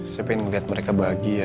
saya pengen ngeliat mereka bahagia